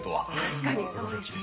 確かにそうですね。